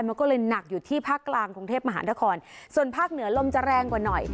มันก็เลยหนักอยู่ที่ภาคกลางกรุงเทพมหานครส่วนภาคเหนือลมจะแรงกว่าหน่อย